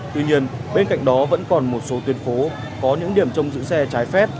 tuy nhiên bên cạnh đó vẫn còn một số tuyến phố có những điểm trong giữ xe trái phép